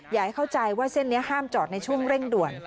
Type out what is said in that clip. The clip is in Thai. อยากให้เข้าใจว่าเส้นนี้ห้ามจอดในช่วงเร่งด่วน